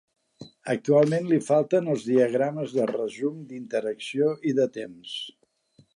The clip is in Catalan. Actualment li falten els diagrames de resum d'interacció i de temps.